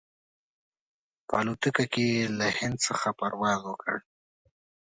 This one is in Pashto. په الوتکه کې یې له هند څخه پرواز وکړ.